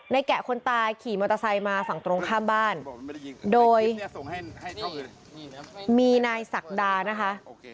แกะคนตายขี่มอเตอร์ไซค์มาฝั่งตรงข้ามบ้านโดยมีนายศักดานะคะ